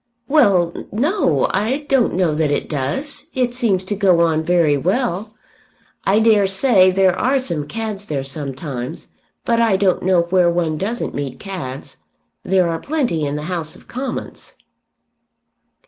"Well; no; I don't know that it does. It seems to go on very well. I daresay there are some cads there sometimes. But I don't know where one doesn't meet cads. There are plenty in the House of Commons."